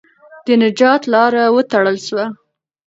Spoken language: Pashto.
د نجات لاره وتړل سوه.